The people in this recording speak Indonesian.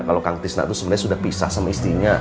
kalau kang tisna itu sebenarnya sudah pisah sama istrinya